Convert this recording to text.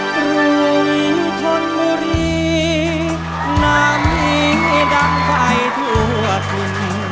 ภูมิผลบุรีนามีดำไทยทั่วทุน